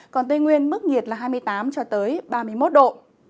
còn tây nguyên mức nhiệt là hai mươi tám ba mươi một độ